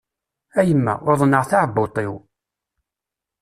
A yemma, uḍneɣ taɛebbuḍt-iw!